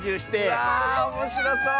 わあおもしろそう！